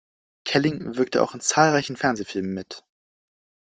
Kelling wirkte auch in zahlreichen Fernsehfilmen mit.